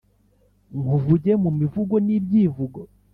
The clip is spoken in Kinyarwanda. nkuvuge mu mivugo n’ibyivugo